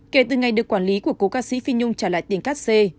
kể từ ngày được quản lý của cố ca sĩ phi nhung trả lại tiền cắt xê